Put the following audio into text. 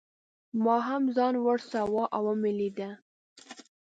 ما هم ځان ورساوه او مې لیده.